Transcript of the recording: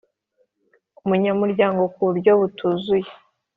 Umunyamuryango ku buryo butuzuye